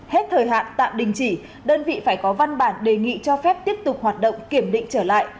hết thời hạn tạm đình chỉ đơn vị phải có văn bản đề nghị cho phép tiếp tục hoạt động kiểm định trở lại